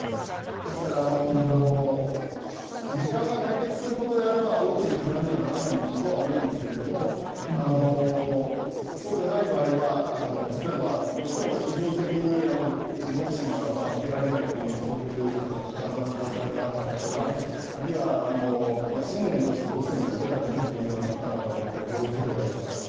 ですから時間が解決することであれば大きな批判にはならないと思うんですがそうでない場合は例えば医療的にどうしてもご自身が受けられないというそういう体の状態である方とかあるいは、信念としてどうしても受けたくないという方は一体、どうすればいいのかとか。